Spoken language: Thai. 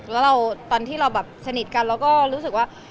และตอนที่เราแบบสนิทกันเราก็รู้สึกว่า